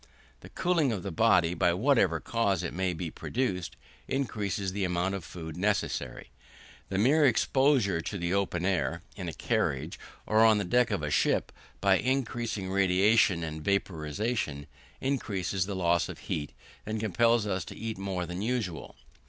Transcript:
The cooling of the body, by whatever cause it may be produced, increases the amount of food necessary. The mere exposure to the open air, in a carriage or on the deck of a ship, by increasing radiation and vaporisation, increases the loss of heat, and compels us to eat more than usual.